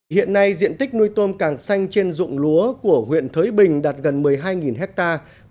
hiện nay diện tích nuôi tôm càng xanh trên dụng lúa của huyện thới bình đạt gần một mươi hai hectare